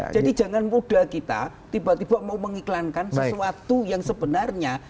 jadi jangan mudah kita tiba tiba mau mengiklankan sesuatu yang sebenarnya